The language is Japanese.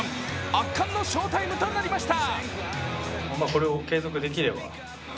圧巻の翔タイムとなりました。